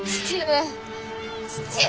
父上。